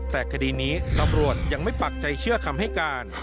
แต่คดีนี้ตำรวจยังไม่ปักใจเชื่อคำให้การ